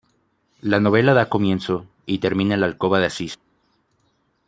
La novela da comienzo y termina en la alcoba de Asís.